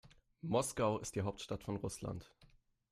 Moskau ist die Hauptstadt von Russland.